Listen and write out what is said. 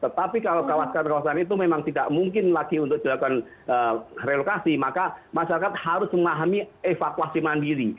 tetapi kalau kawasan kawasan itu memang tidak mungkin lagi untuk dilakukan relokasi maka masyarakat harus memahami evakuasi mandiri